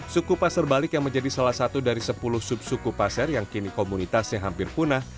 suku pasar balik yang menjadi salah satu dari sepuluh subsuku pasar yang kini komunitasnya hampir punah